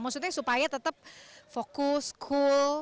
maksudnya supaya tetap fokus school